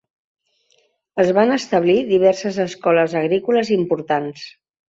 Es van establir diverses escoles agrícoles importants.